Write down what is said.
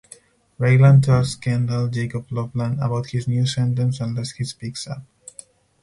Raylan tells Kendal (Jacob Lofland) about his new sentence unless he speaks up.